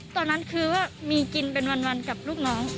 ตอนนั้นคือว่ามีกินเป็นวันกับลูกน้อง